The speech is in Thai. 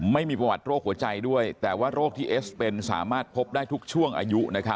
ไม่มีประวัติโรคหัวใจด้วยแต่ว่าโรคที่เอสเป็นสามารถพบได้ทุกช่วงอายุ